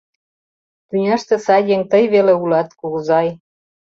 Тӱняште сай еҥ тый веле улат, кугызай!